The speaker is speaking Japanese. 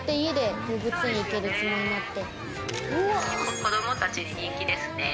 子どもたちに人気ですね。